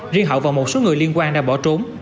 riêng hậu và một số người liên quan đã bỏ trốn